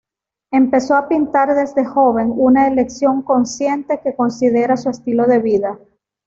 Empezó a pintar desde joven, una elección consciente que considera su estilo de vida.